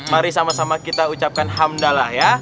mari sama sama kita ucapkan hamdalah ya